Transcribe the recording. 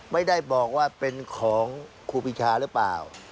ไม่ได้บอกว่าเป็นของครูปีชาหรือเปล่า